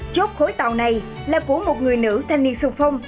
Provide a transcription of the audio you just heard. chốt khối tàu này là của một người nữ thanh niên sung phong